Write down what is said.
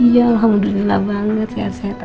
ya alhamdulillah banget sehat sehat aja